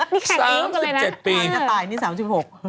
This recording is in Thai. นี่แขกเองก็เลยนะ